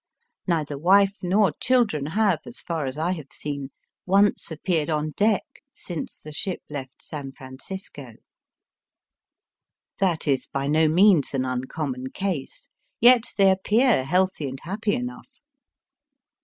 Neither wife nor children have, as far as I have seen, once appeared on deck since the ship left San Francisco. That is by no means an uncommon case. Yet they appear healthy and happy enough.